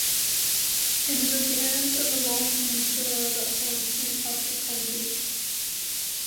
It is at the end of a long peninsula that forms Saint Patrick County.